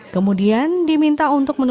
kemudian diminta untuk mencari